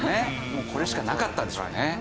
もうこれしかなかったんでしょうね。